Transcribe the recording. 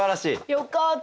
よかった。